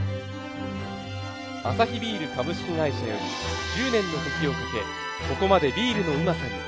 アサヒビール株式会社より「１０年の時をかけ、ここまでビールのうまさに！」